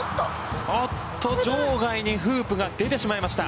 おっと、場外にフープが出てしまいました。